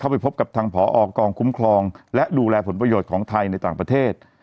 ไปพบกับทางผอกองคุ้มครองและดูแลผลประโยชน์ของไทยในต่างประเทศ